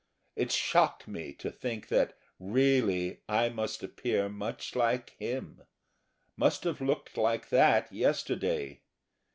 It shocked me to think that, really, I must appear much like him must have looked like that yesterday.